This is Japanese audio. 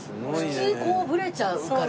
普通ブレちゃうから。